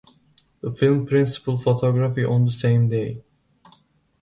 The film principal photography on the same day.